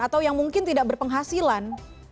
atau yang mungkin tidak berpenghasilan